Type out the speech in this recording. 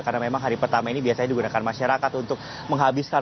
karena memang hari pertama ini biasanya digunakan masyarakat untuk menghabiskan